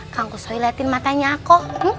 kang kusoy liatin matanya aku